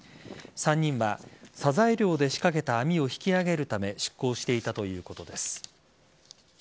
３人はサザエ漁で仕掛けた網を引き揚げるため出港していたということです。